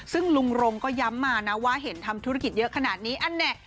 ซึ่งลุงรงก็ย้ำมานะว่าเห็นทำธุรกิจเยอะขนาดนี้อันนี้